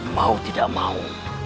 mau tidak mau